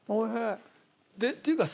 っていうかさ。